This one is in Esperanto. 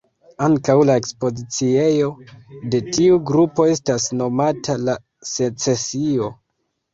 Ankaŭ la ekspoziciejo de tiu grupo estas nomata "La Secesio".